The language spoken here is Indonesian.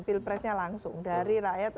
pilpresnya langsung dari rakyat